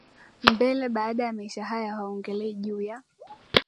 mbele baada ya maisha haya hawaongelei juu ya